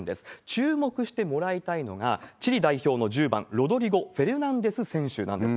注目してもらいたいのが、チリ代表の１０番ロドリゴ・フェルナンデス選手なんです。